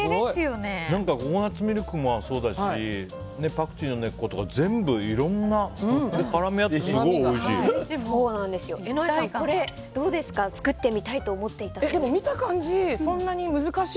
ココナツミルクもそうだしパクチーの根っことか全部いろんなのが絡み合ってすごくおいしい。